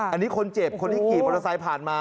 อันนี้คนเจ็บคนที่ขี่มอเตอร์ไซค์ผ่านมา